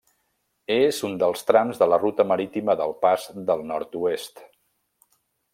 És un dels trams de la ruta marítima del Pas del Nord-oest.